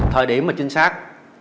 thời điểm mà trinh sát